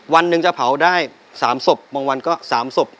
วันหนึ่งจะเผาได้๓ศพบางวันก็๓ศพ